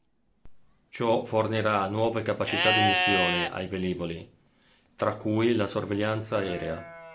Ciò fornirà nuove capacità di missione ai velivoli, tra cui la sorveglianza aerea.